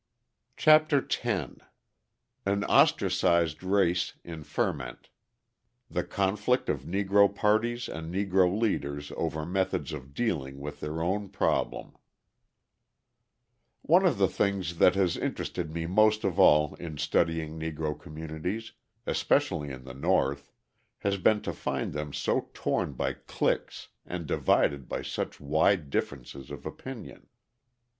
CHAPTER X AN OSTRACISED RACE IN FERMENT THE CONFLICT OF NEGRO PARTIES AND NEGRO LEADERS OVER METHODS OF DEALING WITH THEIR OWN PROBLEM One of the things that has interested me most of all in studying Negro communities, especially in the North, has been to find them so torn by cliques and divided by such wide differences of opinion.